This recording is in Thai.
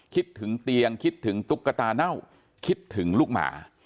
คิดถึงเตียงคิดถึงตุ๊กตาเน่าคิดถึงลูกหมา